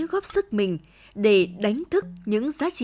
chúc các bạn được một ngày sống tốt